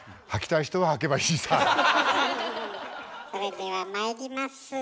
それではまいります。